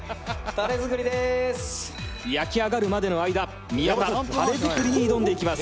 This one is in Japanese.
焼き上がるまでの間宮田タレ作りに挑んでいきます